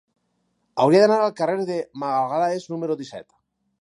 Hauria d'anar al carrer de Magalhães número disset.